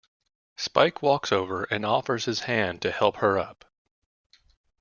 Spike walks over and offers his hand to help her up.